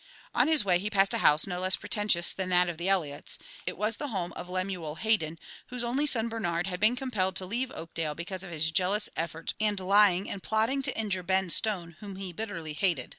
On his way he passed a house no less pretentious than that of the Eliots; it was the home of Lemuel Hayden, whose only son, Bernard, had been compelled to leave Oakdale because of his jealous efforts and lying and plotting to injure Ben Stone, whom he bitterly hated.